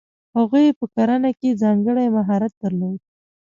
هغوی په کرنه کې ځانګړی مهارت درلود.